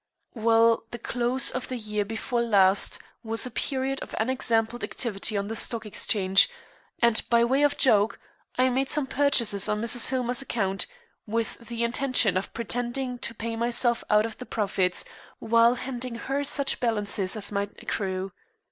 Well, the close of the year before last was a period of unexampled activity on the Stock Exchange, and, by way of a joke, I made some purchases on Mrs. Hillmer's account, with the intention of pretending to pay myself out of the profits, while handing her such balances as might accrue.